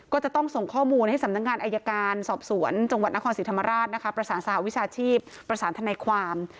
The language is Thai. ก็จะต้องส่งข้อมูลให้สำนักงานอายการสอบสวนจังหวัดนครศรีธรรมราชนะคะประสานสหวิชาชีพประสานทนายความ